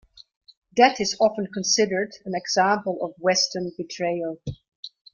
That is often considered an example of Western betrayal.